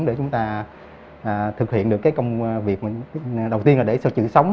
để chúng ta thực hiện được cái công việc đầu tiên là để sửa chữa sống